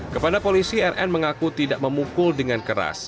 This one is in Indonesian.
kepada polisi rn mengaku tidak memukul dengan keras